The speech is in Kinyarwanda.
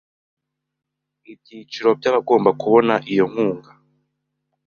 ibyiciro by’abagomba kubona iyo nkunga